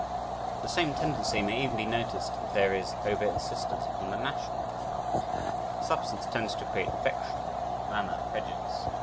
The same tendency may even be noticed if there is over insistence upon the national in art. Substance tends to create affection; manner prejudice.